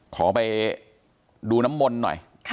ขอไปดูน้ำมนต์หน่อย